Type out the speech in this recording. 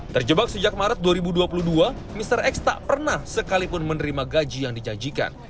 terjebak sejak maret dua ribu dua puluh dua mr x tak pernah sekalipun menerima gaji yang dijanjikan